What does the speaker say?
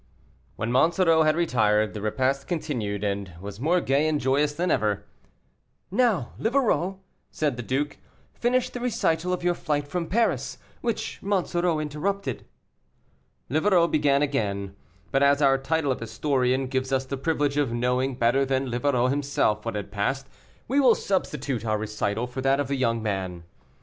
When Monsoreau had retired, the repast continued, and was more gay and joyous than ever. "Now, Livarot," said the duke, "finish the recital of your flight from Paris, which Monsoreau interrupted." Livarot began again, but as our title of historian gives us the privilege of knowing better than Livarot himself what had passed, we will substitute our recital for that of the young man.